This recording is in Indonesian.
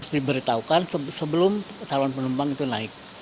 diberitahukan sebelum calon penumpang itu naik